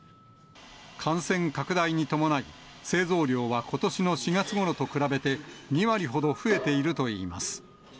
感染拡大に伴い、製造量はことしの４月ごろと比べて２割ほど増えているといいます。